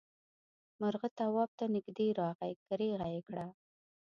مرغه تواب ته نږدې راغی کريغه یې کړه.